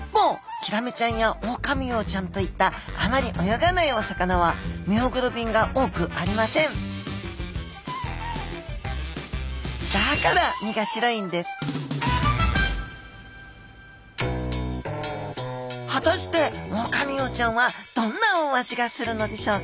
ヒラメちゃんやオオカミウオちゃんといったあまり泳がないお魚はミオグロビンが多くありませんだから身が白いんです果たしてオオカミウオちゃんはどんなお味がするのでしょうか？